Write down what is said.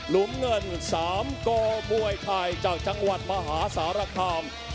มุมเงิน๓กมวยไทยจากจังหวัดมหาสารคาม